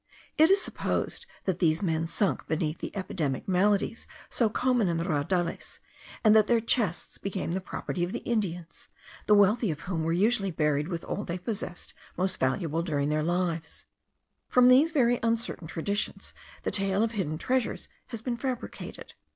It is supposed that these men sunk beneath the epidemic maladies so common in the raudales, and that their chests became the property of the Indians, the wealthiest of whom were usually buried with all they possessed most valuable during their lives. From these very uncertain traditions the tale of hidden treasures has been fabricated.